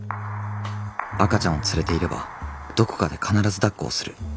赤ちゃんを連れていればどこかで必ずだっこをする。